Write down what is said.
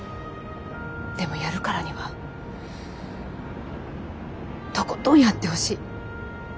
でもやるからにはとことんやってほしい。